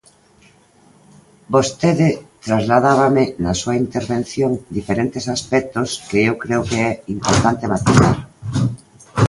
Vostede trasladábame na súa intervención diferentes aspectos que eu creo que é importante matizar.